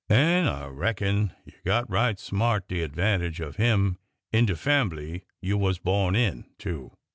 An' I reckon you got right smart de advantage of him in de fambly you was born in, too!